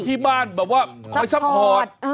ม่านแบบว่าคอยซัพพอร์ต